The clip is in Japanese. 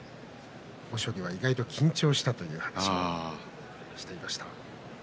豊昇龍は意外と緊張したという話をしていました。